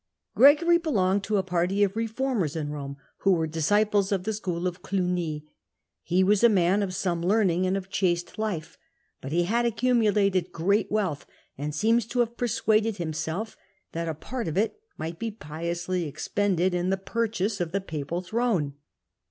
Gregory belonged to a party of reformers in Borne who were disciples of the school of Clugny ; he was a man of some learning and of chaste life, but he had accumulated great wealth, and seems to have per suaded himself that a part of it might be piously expended in the purchase of the papal throne.